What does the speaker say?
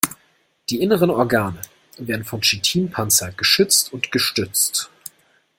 Die inneren Organe werden vom Chitinpanzer geschützt und gestützt.